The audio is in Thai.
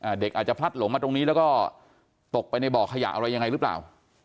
เด็กอาจจะพลัดหลงมาตรงนี้แล้วก็ตกไปในบ่อขยะอะไรยังไงหรือเปล่า